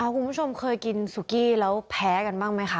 คุณผู้ชมเคยกินสุกี้แล้วแพ้กันบ้างไหมคะ